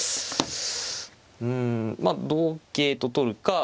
うんまあ同桂と取るか